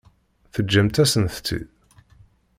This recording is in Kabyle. Teǧǧamt-asent-tt-id?